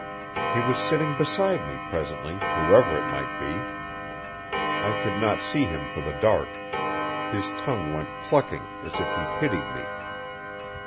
He was sitting beside me presently, whoever it might be. I could not see him for the dark. His tongue went clucking as if he pitied me.